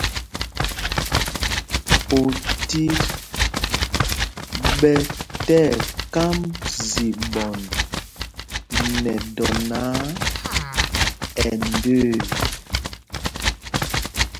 Otit ɓɛ tí ɛkámb ziɓɔnd nɛ dɔ náǎ, ɛ ndəə.